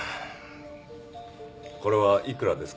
これはいくらですか？